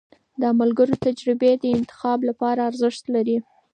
د ملګرو تجربې د انتخاب لپاره ارزښت لري.